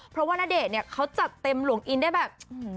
เพราะว่าณเดชน์เนี่ยเขาจัดเต็มหลวงอินได้แบบ